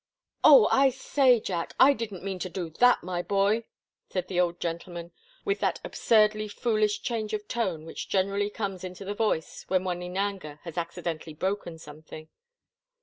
"Oh, I say, Jack! I didn't mean to do that, my boy!" said the old gentleman, with that absurdly foolish change of tone which generally comes into the voice when one in anger has accidentally broken something.